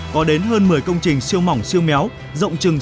có đến hơn một mươi công trình siêu mỏng siêu méo rộng chừng sáu tám m hai